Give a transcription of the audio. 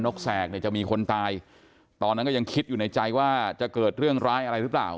กแสกเนี่ยจะมีคนตายตอนนั้นก็ยังคิดอยู่ในใจว่าจะเกิดเรื่องร้ายอะไรหรือเปล่า